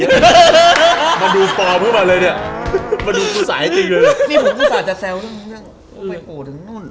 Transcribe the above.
นี่ผมพูดสาวจะแซวเรื่องต้องไปโผล่ถึงนู่น